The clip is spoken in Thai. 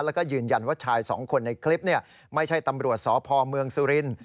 แล้วก็ยืนยันว่าชายสองคนในคลิปไม่ใช่ตำรวจสพเมืองสุรินทร์